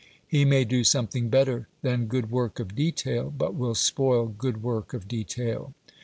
He may do something better than good work of detail, but will spoil good work of detail.